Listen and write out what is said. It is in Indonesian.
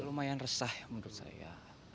lumayan resah menurut saya